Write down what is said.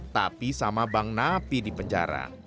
tapi sama bang napi di penjara